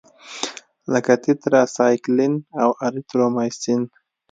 لکه ټیټرایسایکلین او اریترومایسین.